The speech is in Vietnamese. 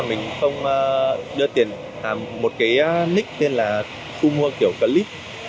mình không đưa tiền một cái nick tên là thu mua kiểu clip